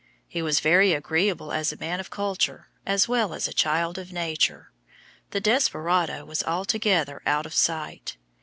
He was very agreeable as a man of culture as well as a child of nature; the desperado was altogether out of sight.